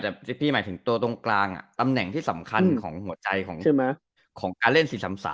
แต่จิปปี้หมายถึงตัวตรงกลางตำแหน่งที่สำคัญของหัวใจของการเล่น๔๓๓